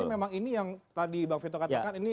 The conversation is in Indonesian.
tapi memang ini yang tadi bang vito katakan